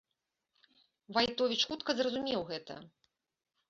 Вайтовіч хутка зразумеў гэта.